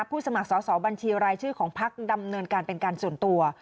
สมัครสอบบัญชีรายชื่อของพักดำเนินการเป็นการส่วนตัว